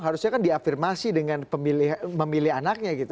harusnya kan diafirmasi dengan memilih anaknya gitu